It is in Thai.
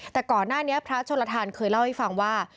แต่ก่อนหน้านี้พระชนลทานเคยเล่าให้ฟังว่า